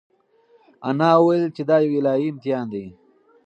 انا وویل چې دا یو الهي امتحان دی.